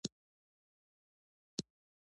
د پښتو ژبې د نکلونو نارې د منظومې بڼې ښه پخلی کوي.